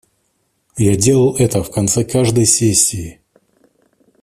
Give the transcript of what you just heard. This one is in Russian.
Я делал это в конце каждой сессии.